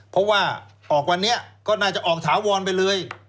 เพราะว่าออกวันนี้ก็น่าจะออกถาวรไปเลย